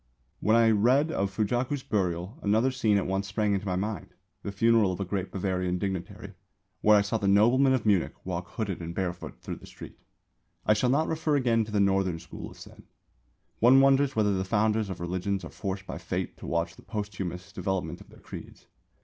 When I read of Fujaku's burial another scene at once sprang into my mind, the funeral of a great Bavarian dignitary, where I saw the noblemen of Munich walk hooded and barefoot through the streets. I shall not refer again to the Northern School of Zen. One wonders whether the founders of religions are forced by fate to watch the posthumous development of their creeds.